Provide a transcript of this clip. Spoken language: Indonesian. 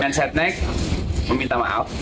dan saya menekan meminta maaf